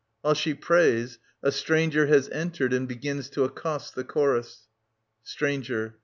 [JVhile she prays a Stranger has entered and begins to accost the Chorus. Stranger.